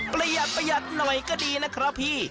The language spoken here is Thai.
ประหยัดหน่อยก็ดีนะครับพี่